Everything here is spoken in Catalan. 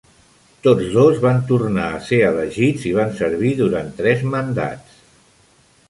Tots dos van tornat a ser elegits i van servir durant tres mandats.